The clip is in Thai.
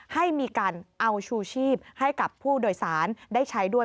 ให้มีการเอาชูชีพให้กับผู้โดยสารได้ใช้ด้วย